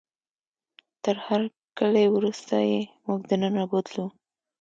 تر هرکلي وروسته یې موږ دننه بوتلو.